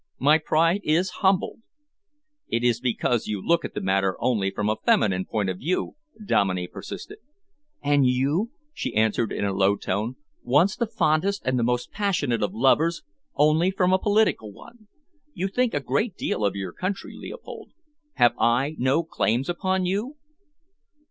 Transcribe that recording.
My pride is humbled." "It is because you look at the matter only from a feminine point of view," Dominey persisted. "And you," she answered in a low tone, "once the fondest and the most passionate of lovers, only from a political one. You think a great deal of your country, Leopold. Have I no claims upon you?"